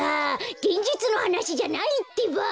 げんじつのはなしじゃないってば！